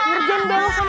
urgen bela sumpit